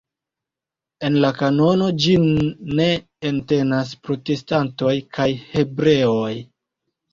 En la kanono ĝin ne entenas protestantoj kaj hebreoj.